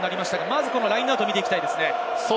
まずラインアウトを見ていきたいですね。